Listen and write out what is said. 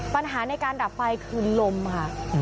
ปัญหาในการดับไฟคือลมค่ะ